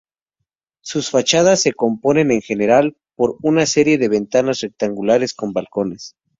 Sus fachadas se componen en general por una serie de ventanas rectangulares con balcones.